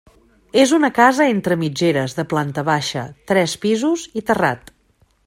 És una casa entre mitgeres de planta baixa, tres pisos i terrat.